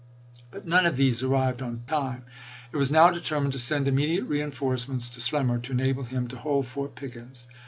ary 9 But none of these arrived in time. It was now determined to send immediate reinforcements to Slemmer to enable him to hold Fort Pickens.